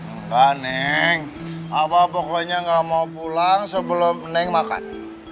enggak neng apa pokoknya nggak mau pulang sebelum neng makan